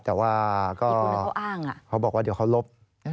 แต่ว่าก็เขาบอกว่าเดี๋ยวเขาลบ